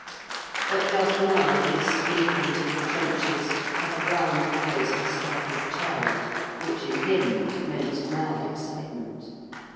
But just now this infant of the trenches had the round eyes of a startled child, which in him meant mad excitement.